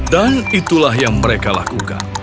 dan itulah yang mereka lakukan